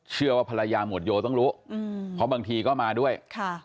เชื่อว่าภรรยาหมวดโยต้องรู้เพราะบางทีก็มาด้วยค่ะ